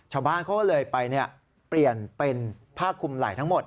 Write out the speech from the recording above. ชาวบ้านเขาก็เลยไปเปลี่ยนเป็นผ้าคุมไหล่ทั้งหมด